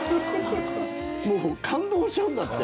もう感動しちゃうんだって。